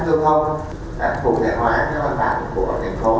trong đó là quy định các bản biệt nhận biết người phương tiện được khách giao thông